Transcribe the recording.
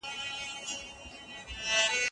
ځيني ليکوالان يوازي د ځان لپاره ليکل کوي.